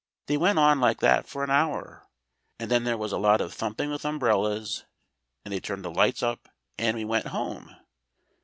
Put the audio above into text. They went on like that for an hour, and then there was a lot of thumping with umbrellas, and they turned the lights up and we went home.